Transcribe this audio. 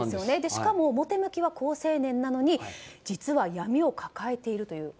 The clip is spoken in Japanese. しかも表向きは好青年なのに実は闇を抱えているという。